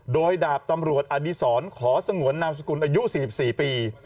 โดยดาบตำรวจอดีศรขอสงวนนามสกุลอายุ๔๔ปี